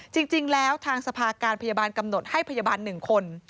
จริงแล้วทางสภาการพยาบาลกำหนดให้พยาบาล๑คน